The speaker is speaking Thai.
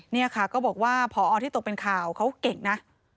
นี่ค่ะก็บอกว่าพอที่ตกเป็นข่าวเขาเก่งนะ